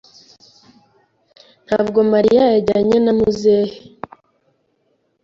Ntabwo Mariya yajyanye na muzehe.